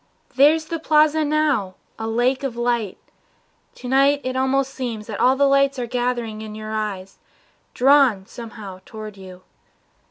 ... There's the Plaza now, A lake of light! To night it almost seems That all the lights are gathered in your eyes, Drawn somehow toward you.